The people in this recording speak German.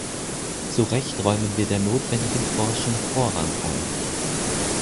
Zu Recht räumen wir der notwendigen Forschung Vorrang ein.